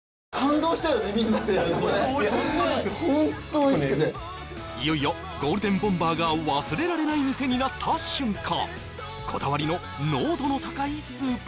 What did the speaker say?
おいしかったいよいよゴールデンボンバーが忘れられない店になった瞬間